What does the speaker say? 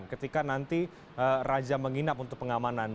berarti kan nanti raja menginap untuk pengamanan